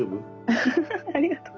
ウフフフありがとう。